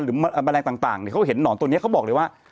แมลงต่างเขาเห็นหนอนตัวนี้เขาบอกเลยว่า